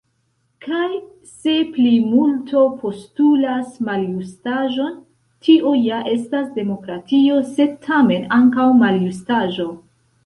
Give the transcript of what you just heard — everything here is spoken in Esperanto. Kaj se plimulto postulas maljustaĵon, tio ja estas demokratio, sed, tamen, ankaŭ maljustaĵo.